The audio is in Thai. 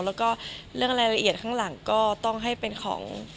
แล้วก็เรื่องรายละเอียดข้างหลังก็ต้องให้เป็นของ